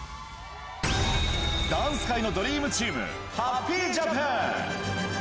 ダンス界のドリームチーム、ハッピージャパン。